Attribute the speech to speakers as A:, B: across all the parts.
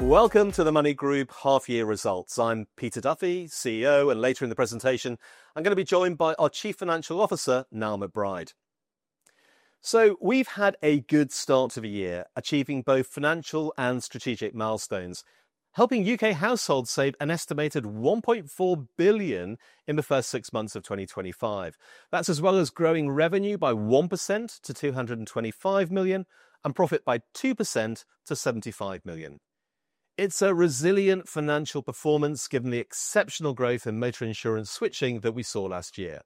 A: Welcome to the MONY Group Half-Year Results. I'm Peter Duffy, CEO. Later in the presentation, I'm going to be joined by our Chief Financial Officer, Niall McBride. We've had a good start to the year, achieving both financial and strategic milestones, helping U.K. households save an estimated £1.4 billion in the first six months of 2025. That's as well as growing revenue by 1% to £225 million and profit by 2% to £75 million. It's a resilient financial performance, given the exceptional growth in motor insurance switching that we saw last year.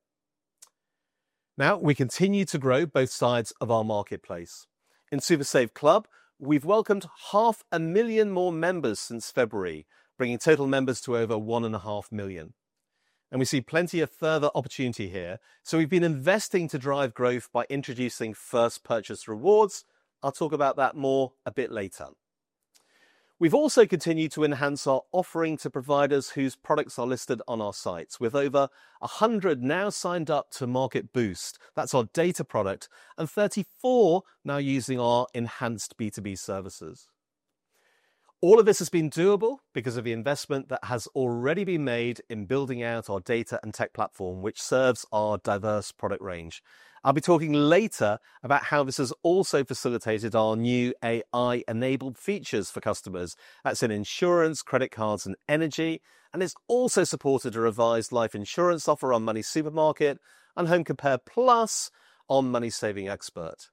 A: Now, we continue to grow both sides of our marketplace. In SuperSaveClub, we've welcomed half a million more members since February, bringing total members to over 1.5 million. We see plenty of further opportunity here, so we've been investing to drive growth by introducing first-purchase rewards. I'll talk about that more a bit later. We've also continued to enhance our offering to providers whose products are listed on our sites, with over 100 now signed up to Market Boost, that's our data product and 34 now using our enhanced B2B services. All of this has been doable because of the investment that has already been made in building out our data and tech platform, which serves our diverse product range. I'll be talking later about how this has also facilitated our new AI-driven features for customers. That's in insurance, credit cards, and energy, and it's also supported a revised life insurance offer on MoneySuperMarket and Home Compare+ on MoneySavingExperts.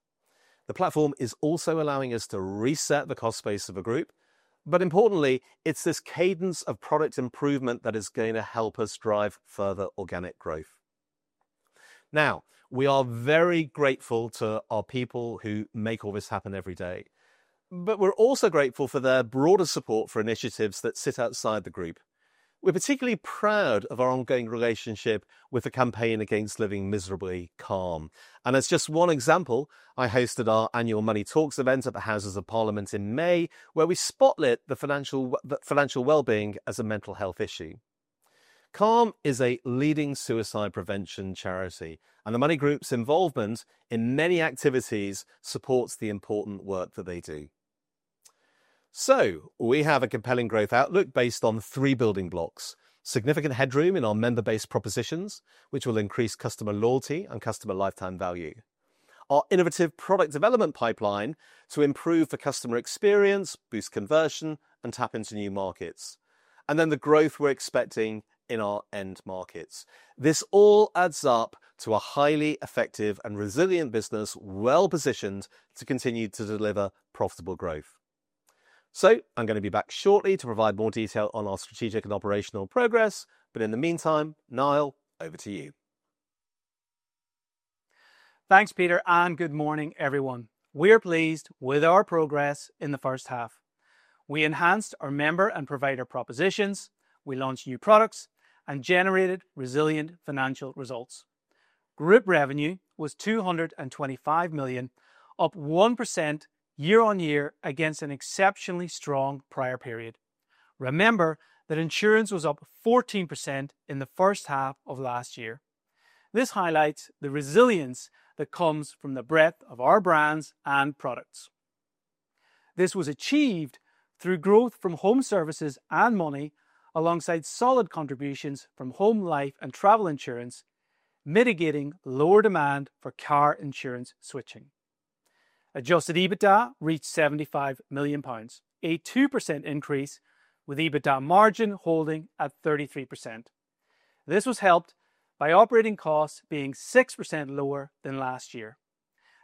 A: The platform is also allowing us to reset the cost base of a group, but importantly, it's this cadence of product improvement that is going to help us drive further organic growth. Now, we are very grateful to our people who make all this happen every day, but we're also grateful for their broader support for initiatives that sit outside the group. We're particularly proud of our ongoing relationship with a campaign against living miserably, CALM. As just one example, I hosted our annual MONY Talks event at the Houses of Parliament in May, where we spotlit the financial wellbeing as a mental health issue. CALM is a leading suicide prevention charity, and the MONY Group's involvement in many activities supports the important work that they do. We have a compelling growth outlook based on three building blocks, significant headroom in our member-based propositions, which will increase customer loyalty and customer lifetime value. Our innovative product development pipeline to improve the customer experience, boost conversion, and tap into new markets and then the growth we're expecting in our end markets. This all adds up to a highly effective and resilient business, well-positioned to continue to deliver profitable growth. I'm going to be back shortly to provide more detail on our strategic and operational progress, but in the meantime, Niall, over to you.
B: Thanks, Peter. Good morning, everyone. We're pleased with our progress in the first half. We enhanced our member and provider propositions, we launched new products and generated resilient financial results. Group revenue was £225 million, up 1% year-on-year against an exceptionally strong prior period. Remember that insurance was up 14% in the first half of last year. This highlights the resilience that comes from the breadth of our brands and products. This was achieved through growth from home services and money, alongside solid contributions from home life and travel insurance, mitigating lower demand for car insurance switching. Adjusted EBITDA reached £75 million, a 2% increase, with EBITDA margin holding at 33%. This was helped by operating costs being 6% lower than last year.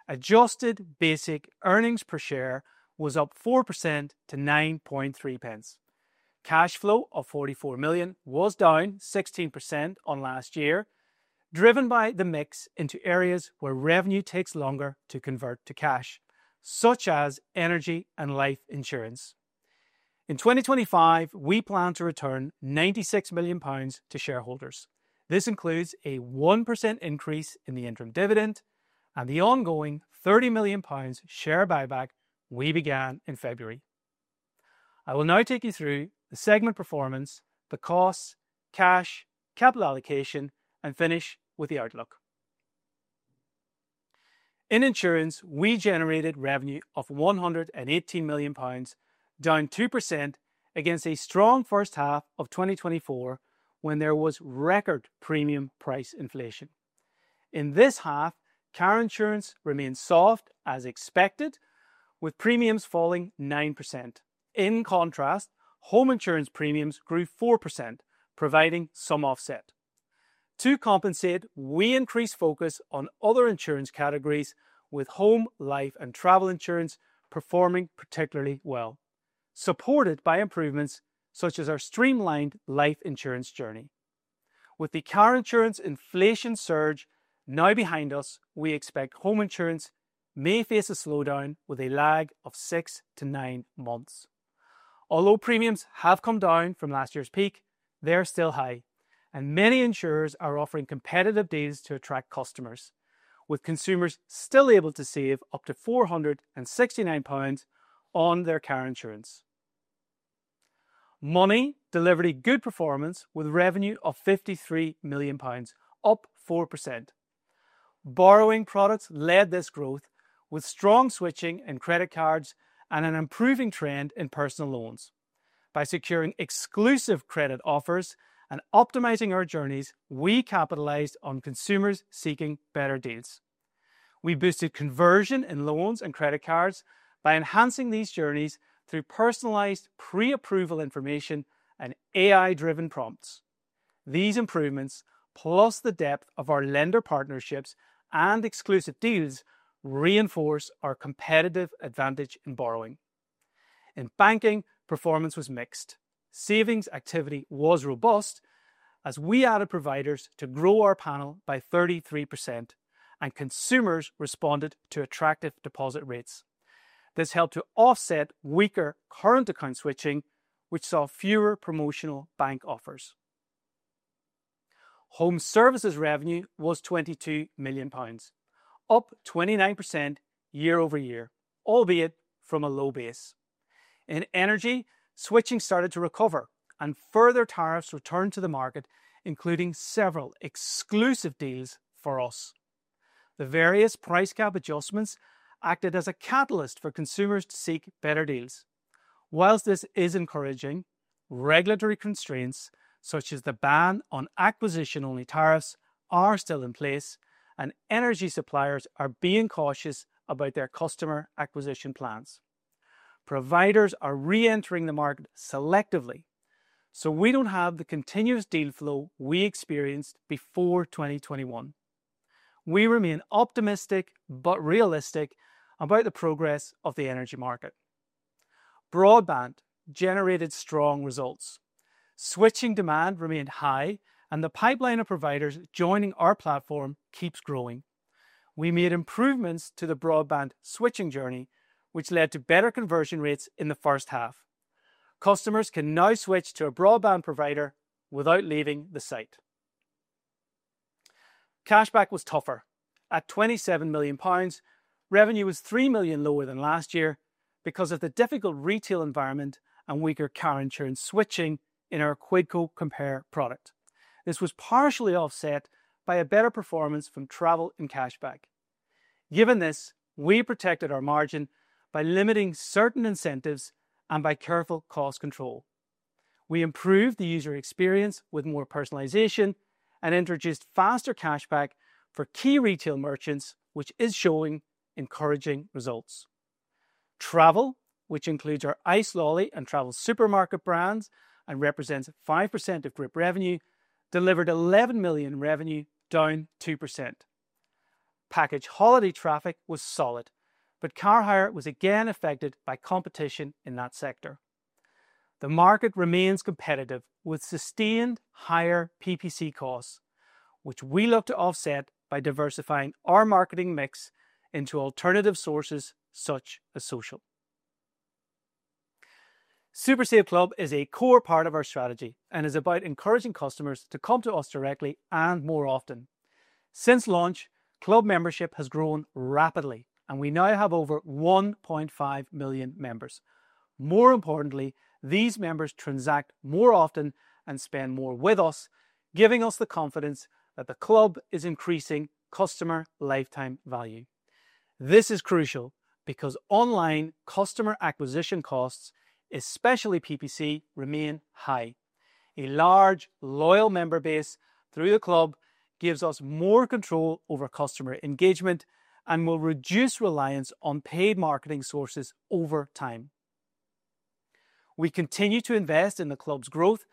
B: Adjusted basic earnings per share was up 4% to £0.093. Cash flow of £44 million was down 16% on last year, driven by the mix into areas where revenue takes longer to convert to cash, such as energy and life insurance. In 2025, we plan to return £96 million to shareholders. This includes a 1% increase in the interim dividend, and the ongoing £30 million share buyback we began in February. I will now take you through the segment performance, the costs, cash, capital allocation, and finish with the outlook. In insurance, we generated revenue of £118 million, down 2% against a strong first half of 2024 when there was record premium price inflation. In this half, car insurance remained soft as expected, with premiums falling 9%. In contrast, home insurance premiums grew 4%, providing some offset. To compensate, we increased focus on other insurance categories, with home, life, and travel insurance performing particularly well, supported by improvements such as our streamlined life insurance journey. With the car insurance inflation surge now behind us, we expect home insurance may face a slowdown with a lag of six to nine months. Although premiums have come down from last year's peak, they're still high, and many insurers are offering competitive deals to attract customers, with consumers still able to save up to £469 on their car insurance. MONY delivered a good performance with a revenue of £53 million, up 4%. Borrowing products led this growth, with strong switching in credit cards and an improving trend in personal loans. By securing exclusive credit offers and optimizing our journeys, we capitalized on consumers seeking better deals. We boosted conversion in loans and credit cards, by enhancing these journeys through personalized pre-approval information and AI-driven prompts. These improvements, plus the depth of our lender partnerships and exclusive deals, reinforce our competitive advantage in borrowing. In banking, performance was mixed. Savings activity was robust, as we added providers to grow our panel by 33%, and consumers responded to attractive deposit rates. This helped to offset weaker current account switching, which saw fewer promotional bank offers. Home services revenue was £22 million, up 29% year-over-year, albeit from a low base. In energy, switching started to recover and further tariffs returned to the market, including several exclusive deals for us. The various price cap adjustments acted as a catalyst for consumers to seek better deals. Whilst this is encouraging, regulatory constraints, such as the ban on acquisition-only tariffs, are still in place, and energy suppliers are being cautious about their customer acquisition plans. Providers are re-entering the market selectively, so we don't have the continuous deal flow we experienced before 2021. We remain optimistic, but realistic about the progress of the energy market. Broadband generated strong results. Switching demand remained high, and the pipeline of providers joining our platform keeps growing. We made improvements to the broadband switching journey, which led to better conversion rates in the first half. Customers can now switch to a broadband provider without leaving the site. Cashback was tougher. At £27 million, revenue was £3 million lower than last year because of the difficult retail environment and weaker car insurance switching in our Quidco Compare product. This was partially offset by a better performance from travel and cashback. Given this, we protected our margin by limiting certain incentives and by careful cost control. We improved the user experience with more personalization and introduced faster cashback for key retail merchants, which is showing encouraging results. Travel, which includes our Icelolly and Travel Supermarket brands and represents 5% of group revenue, delivered £11 million revenue, down 2%. Package holiday traffic was solid, but car hire was again affected by competition in that sector. The market remains competitive with sustained higher PPC costs, which we look to offset by diversifying our marketing mix into alternative sources such as social. SuperSaveClub is a core part of our strategy, and is about encouraging customers to come to us directly and more often. Since launch, club membership has grown rapidly and we now have over 1.5 million members. More importantly, these members transact more often and spend more with us, giving us the confidence that the club is increasing customer lifetime value. This is crucial because online customer acquisition costs, especially PPC, remain high. A large, loyal member base through the club gives us more control over customer engagement, and will reduce reliance on paid marketing sources over time. We continue to invest in the club's growth,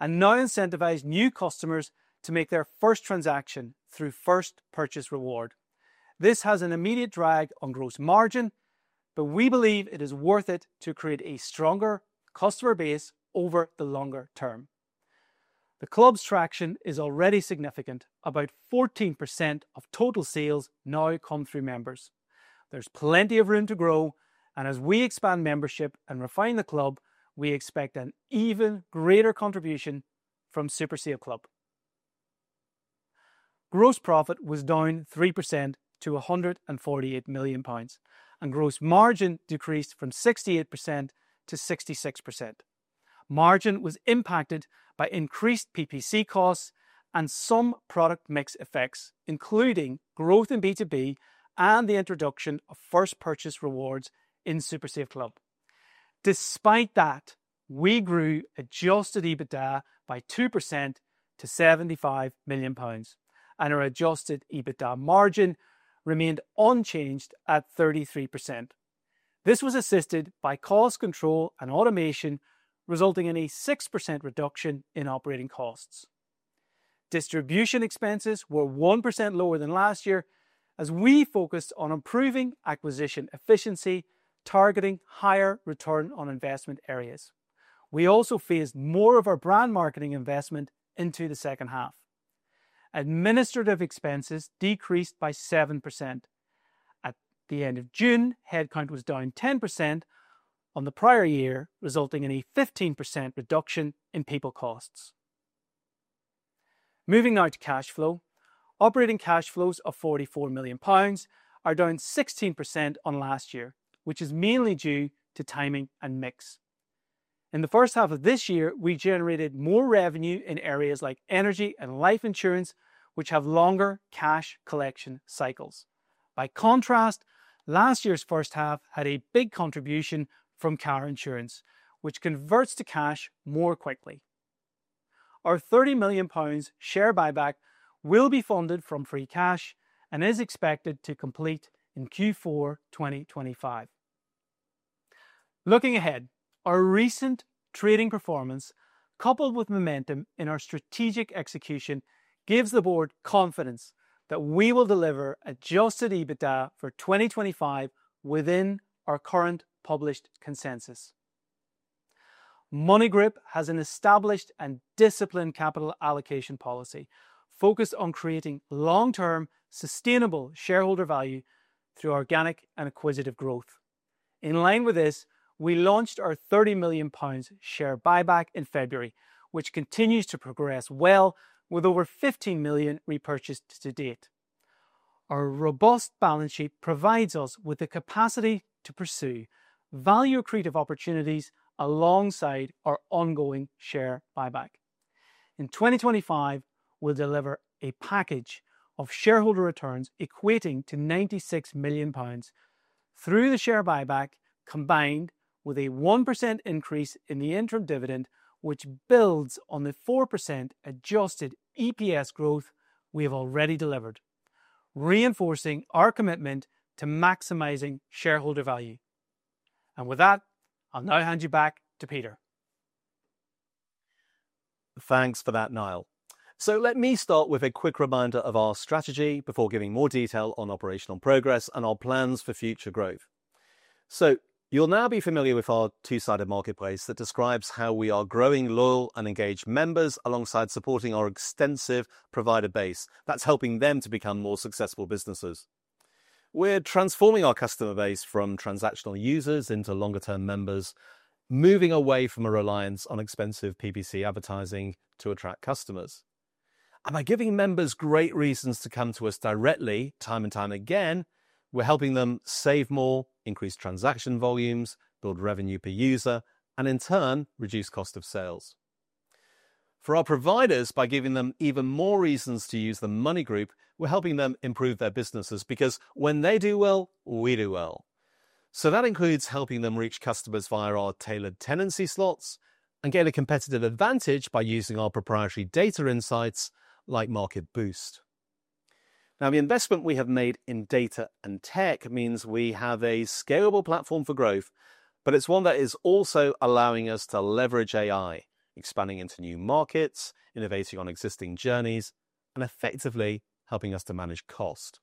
B: and now incentivize new customers to make their first transaction through first-purchase reward. This has an immediate drag on gross margin, but we believe it is worth it to create a stronger customer base over the longer term. The club's traction is already significant, about 14% of total sales now come through members. There's plenty of room to grow, and as we expand membership and refine the club, we expect an even greater contribution from SuperSave Club. Gross profit was down 3% to £148 million, and gross margin decreased from 68%-66%. Margin was impacted by increased PPC costs and some product mix effects, including growth in B2B and the introduction of first-purchase rewards in SuperSaveClub. Despite that, we grew adjusted EBITDA by 2% to £75 million, and our adjusted EBITDA margin remained unchanged at 33%. This was assisted by cost control and automation, resulting in a 6% reduction in operating costs. Distribution expenses were 1% lower than last year, as we focused on improving acquisition efficiency, targeting higher return on investment areas. We also phased more of our brand marketing investment into the second half. Administrative expenses decreased by 7%. At the end of June, headcount was down 10% on the prior year, resulting in a 15% reduction in people costs. Moving now to cash flow, operating cash flows of £44 million are down 16% on last year, which is mainly due to timing and mix. In the first half of this year, we generated more revenue in areas like energy and life insurance, which have longer cash collection cycles. By contrast, last year's first half had a big contribution from car insurance, which converts to cash more quickly. Our £30 million share buyback will be funded from free cash, and is expected to complete in Q4 2025. Looking ahead, our recent trading performance, coupled with momentum in our strategic execution, gives the board confidence that we will deliver adjusted EBITDA for 2025 within our current published consensus. MONY Group has an established and disciplined capital allocation policy, focused on creating long-term, sustainable shareholder value through organic and acquisitive growth. In line with this, we launched our £30 million share buyback in February, which continues to progress well, with over 15 million repurchased to date. Our robust balance sheet provides us with the capacity to pursue value or creative opportunities alongside our ongoing share buyback. In 2025, we'll deliver a package of shareholder returns equating to £96 million through the share buyback, combined with a 1% increase in the interim dividend, which builds on the 4% adjusted EPS growth we have already delivered, reinforcing our commitment to maximizing shareholder value. With that, I'll now hand you back to Peter.
A: Thanks for that, Niall. Let me start with a quick reminder of our strategy before giving more detail on operational progress and our plans for future growth. You'll now be familiar with our two-sided marketplace that describes how we are growing loyal and engaged members, alongside supporting our extensive provider base that's helping them to become more successful businesses. We're transforming our customer base from transactional users into longer-term members, moving away from a reliance on expensive PPC advertising to attract customers. By giving members great reasons to come to us directly time and time again, we're helping them save more, increase transaction volumes, build revenue per user, and in turn, reduce cost of sales. For our providers, by giving them even more reasons to use the MONY Group, we're helping them improve their businesses because when they do well, we do well. That includes helping them reach customers via our tailored tenancy slots and gain a competitive advantage by using our proprietary data insights like Market Boost. The investment we have made in data and tech, means we have a scalable platform for growth, but it's one that is also allowing us to leverage AI, expanding into new markets, innovating on existing journeys, and effectively helping us to manage cost.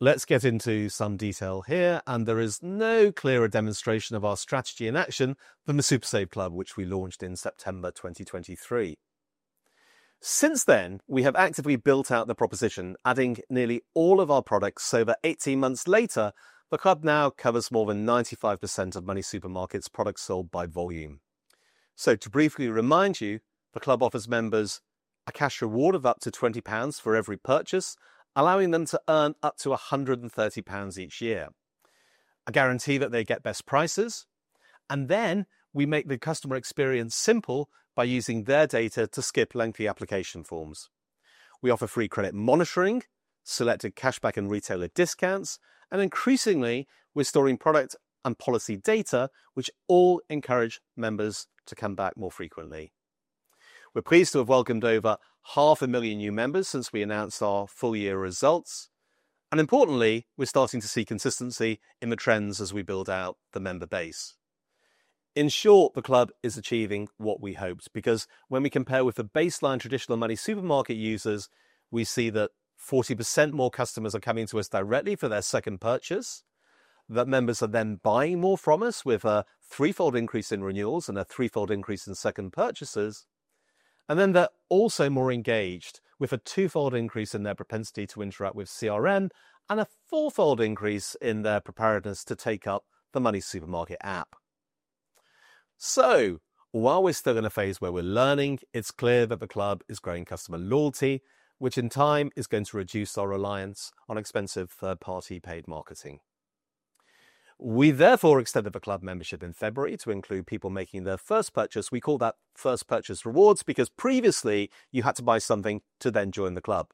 A: Let's get into some detail here, and there is no clearer demonstration of our strategy in action than the SuperSaveClub which we launched in September 2023. Since then, we have actively built out the proposition, adding nearly all of our products, so that 18 months later, the club now covers more than 95% of MoneySuperMarket's products sold by volume. To briefly remind you, the club offers members a cash reward of up to £20 for every purchase, allowing them to earn up to £130 each year, a guarantee that they get best prices, and then we make the customer experience simple by using their data to skip lengthy application forms. We offer free credit monitoring, selected cashback, and retailer discounts, and increasingly, we're storing product and policy data, which all encourage members to come back more frequently. We're pleased to have welcomed over half a million new members since we announced our full-year results, and importantly, we're starting to see consistency in the trends as we build out the member base. In short, the club is achieving what we hoped because when we compare with the baseline traditional MoneySuperMarket users, we see that 40% more customers are coming to us directly for their second purchase, that members are then buying more from us with a threefold increase in renewals and a threefold increase in second purchases. They're also more engaged, with a twofold increase in their propensity to interact with CRM and a fourfold increase in their preparedness to take up the MoneySuperMarket app. While we're still in a phase where we're learning, it's clear that the club is growing customer loyalty, which in time is going to reduce our reliance on expensive third-party paid marketing. We therefore extended the club membership in February to include people making their first purchase. We call that first-purchase rewards because previously, you had to buy something to then join the club.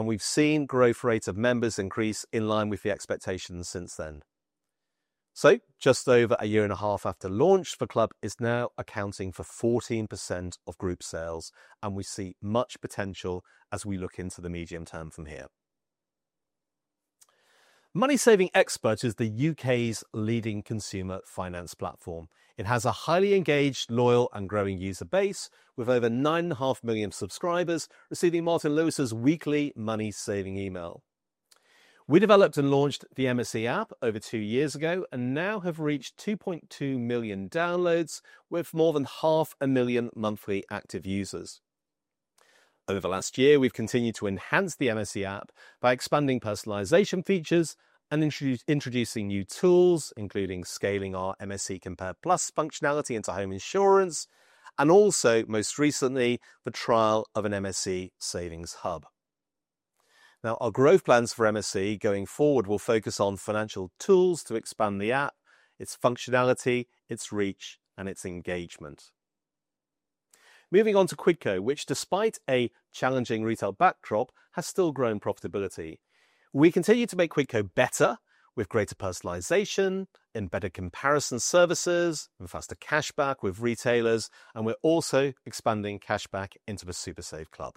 A: We've seen growth rates of members increase in line with the expectations since then. Just over a year and a half after launch, the club is now accounting for 14% of group sales and we see much potential as we look into the medium term from here. MoneySavingExpert is the U.K.'s leading consumer finance platform. It has a highly engaged, loyal, and growing user base, with over 9.5 million subscribers receiving Martin Lewis's weekly MoneySaving email. We developed and launched the MSE app over two years ago and now have reached 2.2 million downloads, with more than half a million monthly active users. Over the last year, we've continued to enhance the MSE app, by expanding personalization features and introducing new tools, including scaling our MSE Compare+ functionality into home insurance, and also most recently, the trial of an MSE Savings Hub. Our growth plans for MSE going forward will focus on financial tools to expand the app, its functionality, its reach, and its engagement. Moving on to Quidco, which despite a challenging retail backdrop has still grown profitability, we continue to make Quidco better, with greater personalization, in better comparison services and faster cashback with retailers, and we're also expanding cashback into the SuperSaveClub.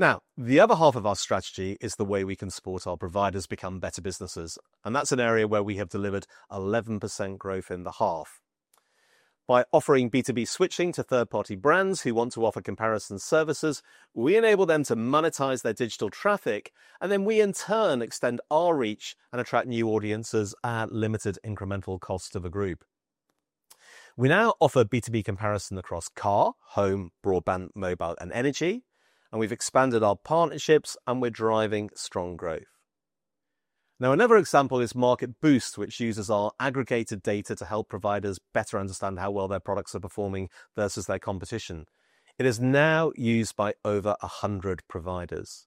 A: Now, the other half of our strategy is the way we can support our providers to become better businesses, and that's an area where we have delivered 11% growth in the half. By offering B2B switching to third-party brands who want to offer comparison services, we enable them to monetize their digital traffic. We in turn extend our reach, and attract new audiences at limited incremental cost to the group. We now offer B2B comparison across car, home, broadband, mobile, and energy, and we've expanded our partnerships and we're driving strong growth. Now, another example is Market Boost, which uses our aggregated data to help providers better understand how well their products are performing versus their competition. It is now used by over 100 providers.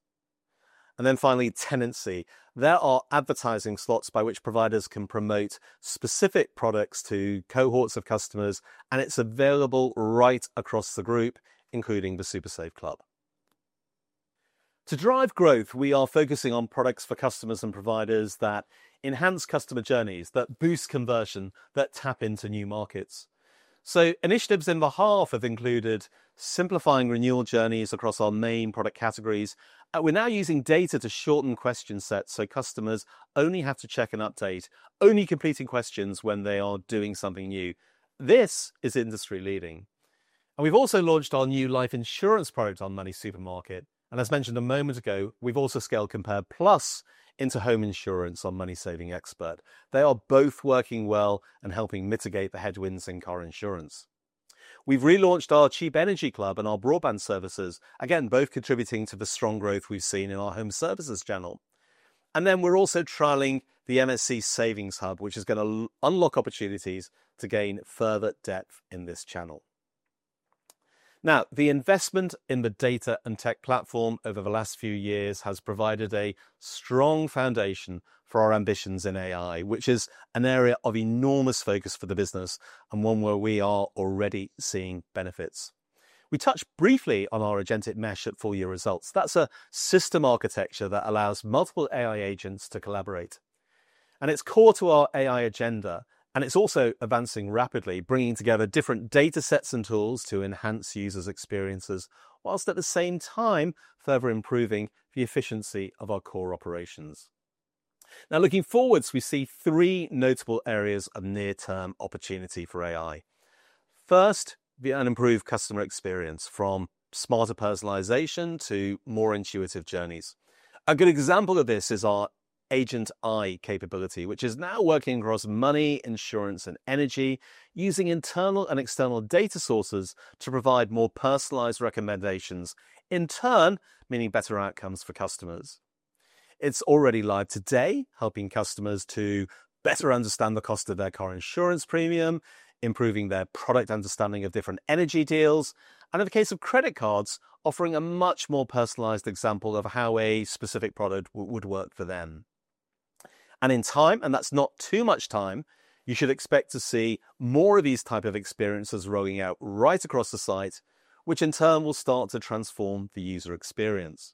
A: Finally, tenancy. There are advertising slots by which providers can promote specific products to cohorts of customers, and it's available right across the group, including the SuperSaveClub. To drive growth, we are focusing on products for customers and providers that enhance customer journeys, that boost conversion, that tap into new markets. Initiatives in the half have included simplifying renewal journeys across our main product categories, and we're now using data to shorten question sets, so customers only have to check and update, only completing questions when they are doing something new. This is industry-leading. We've also launched our new life insurance product on MoneySuperMarket, and as mentioned a moment ago, we've also scaled Compare+ into home insurance on MoneySavingExpert. They are both working well and helping mitigate the headwinds in car insurance. We've relaunched our Cheap Energy Club and our broadband services, again, both contributing to the strong growth we've seen in our home services channel. We're also trialing the MSE Savings Hub, which is going to unlock opportunities to gain further depth in this channel. Now, the investment in the data and tech platform over the last few years has provided a strong foundation for our ambitions in AI, which is an area of enormous focus for the business and one where we are already seeing benefits. We touched briefly on our agentic mesh at full-year results. That's a system architecture that allows multiple AI agents to collaborate. It's core to our AI agenda, and it's also advancing rapidly, bringing together different data sets and tools to enhance users' experiences, whilst at the same time, further improving the efficiency of our core operations. Now, looking forward, we see three notable areas of near-term opportunity for AI. First, the improved customer experience, from smarter personalization to more intuitive journeys. A good example of this is our Agent [Eye] capability, which is now working across money, insurance, and energy, using internal and external data sources to provide more personalized recommendations, in turn, meaning better outcomes for customers. It's already live today, helping customers to better understand the cost of their car insurance premium, improving their product understanding of different energy deals, and in the case of credit cards, offering a much more personalized example of how a specific product would work for them. In time, and that's not too much time, you should expect to see more of these types of experiences rolling out right across the site, which in turn will start to transform the user experience.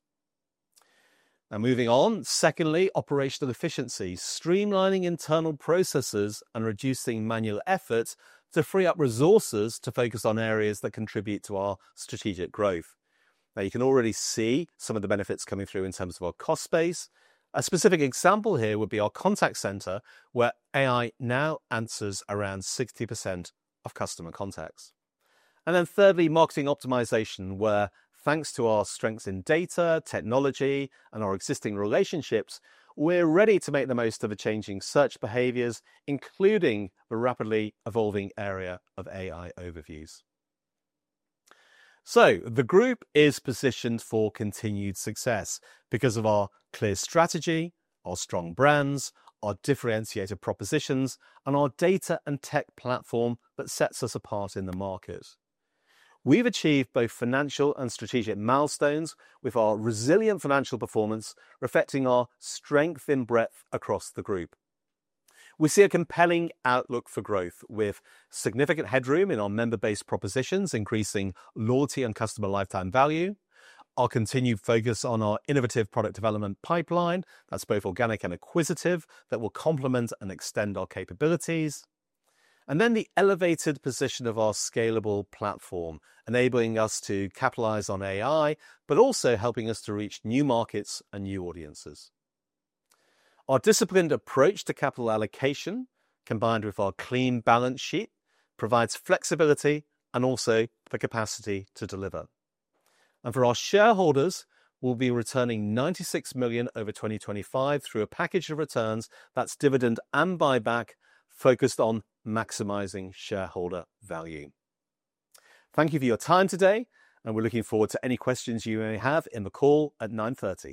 A: Now, moving on, secondly, operational efficiency, streamlining internal processes and reducing manual efforts to free up resources to focus on areas that contribute to our strategic growth. You can already see some of the benefits coming through in terms of our cost base. A specific example here would be our contact center, where AI now answers around 60% of customer contacts. Thirdly, marketing optimization, where thanks to our strengths in data, technology, and our existing relationships, we're ready to make the most of the changing search behaviors, including the rapidly evolving area of AI overviews. The group is positioned for continued success because of our clear strategy, our strong brands, our differentiated propositions, and our data and tech platform that sets us apart in the market. We've achieved both financial and strategic milestones with our resilient financial performance, reflecting our strength in breadth across the group. We see a compelling outlook for growth, with significant headroom in our member-based propositions, increasing loyalty and customer lifetime value, our continued focus on our innovative product development pipeline, that's both organic and acquisitive, that will complement and extend our capabilities, and then the elevated position of our scalable platform, enabling us to capitalize on AI, but also helping us to reach new markets and new audiences. Our disciplined approach to capital allocation, combined with our clean balance sheet, provides flexibility and also the capacity to deliver. For our shareholders, we'll be returning £96 million over 2025, through a package of returns that's dividend and buyback, focused on maximizing shareholder value. Thank you for your time today, and we're looking forward to any questions you may have in the call at 9:30 A.M.